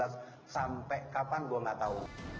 sampai kapan gue gak tahu